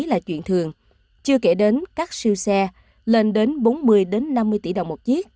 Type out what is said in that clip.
là chuyện thường chưa kể đến các siêu xe lên đến bốn mươi năm mươi tỷ đồng